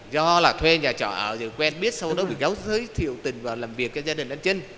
do là thuê nhà trọ ở rồi quen biết sau đó bị cáo giới thiệu tình và làm việc cho gia đình anh trinh